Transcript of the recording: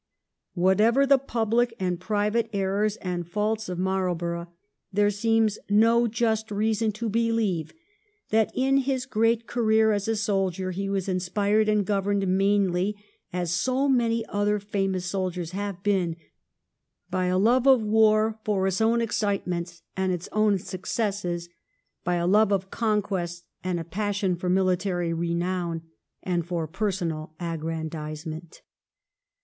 Whatever the public and private errors and faults of Marlborough, there 112 THE REIGN OF QUEEN ANNE. oh. xxvi. seems no just reason to believe that in his great career as a soldier he was inspired and governed mainly, as so many other famous soldiers have been, by a love of war for its own excitements and its own successes, by a love of conquest, and a passion for military renown and for personal aggrandisement.